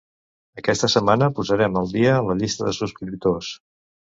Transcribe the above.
Aquesta setmana posarem al dia la llista de subscriptors.